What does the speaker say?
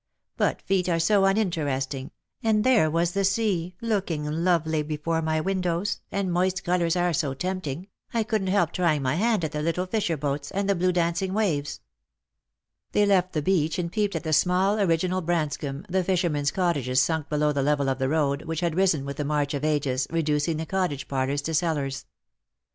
But feet are so uninteresting, and there was the sea looking lovely before my windows, and moist colours are so tempting, I couldn't help trying my hand at the little fisher boats, and the blue dancing waves !" They left the beach, and peeped at the small original Brans comb, the fishermen's cottages sunk below the level of the road, which had risen with the march of ages, reducing the cottage parlours to cellars.